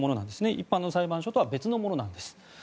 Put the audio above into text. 一般の裁判所とは別のものなんです。